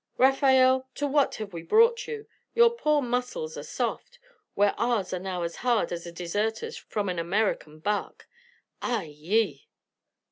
Rafael, to what have we brought you? Your poor muscles are soft, where ours are now as hard as a deserter's from an American barque ay, yi!"